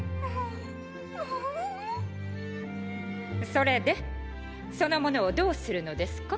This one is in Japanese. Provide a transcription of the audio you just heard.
それでその者をどうするのですか？